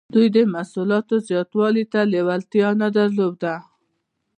دوی د محصولاتو زیاتوالي ته لیوالتیا نه درلوده.